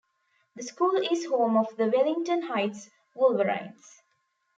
The school is home of the "Wellington Heights Wolverines".